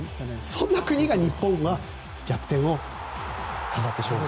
そんな国が日本が逆転を飾って勝利。